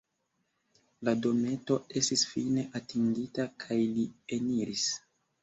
La dometo estis fine atingita, kaj li eniris.